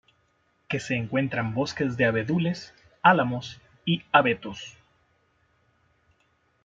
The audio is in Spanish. Que se encuentran bosques de abedules, álamos y abetos.